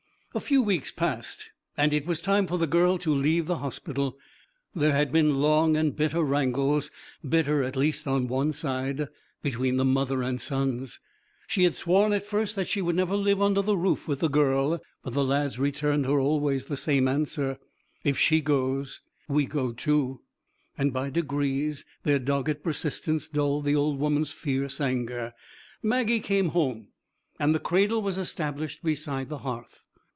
A few weeks passed and it was time for the girl to leave the hospital. There had been long and bitter wrangles bitter at least on one side between the mother and sons. She had sworn at first that she would never live under the roof with the girl, but the lads returned her always the same answer, 'If she goes we go too.' And by degrees their dogged persistence dulled the old woman's fierce anger. Maggie came home, and the cradle was established beside the hearth.